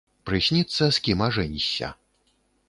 Прысніцца, з кім ажэнішся.